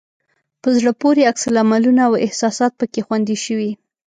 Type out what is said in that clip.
په زړه پورې عکس العملونه او احساسات پکې خوندي شوي.